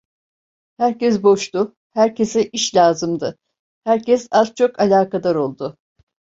Herkes boştu, herkese iş lazımdı, herkes az çok alakadar oldu.